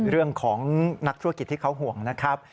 เรื่องของนักธุรกิจที่เขาห่วงนะครับ